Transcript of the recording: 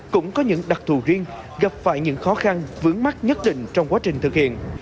cũng có những đặc thù riêng gặp phải những khó khăn vướng mắt nhất định trong quá trình thực hiện